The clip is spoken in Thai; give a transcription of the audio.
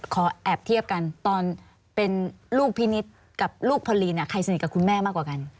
ขอแอบเทียบกันตอนเป็นลูกพินิษฐ์กับลูกพอลีนใครสนิทกับคุณแม่มากกว่ากัน